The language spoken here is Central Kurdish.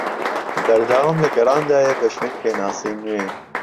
بەردەوام لە گەڕاندایە بە شوێن پێناسەی نوێ